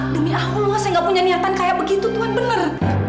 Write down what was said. demi aku saya gak punya niatan kayak begitu tuhan bener